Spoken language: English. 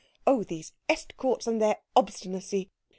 Oh, these Estcourts and their obstinacy!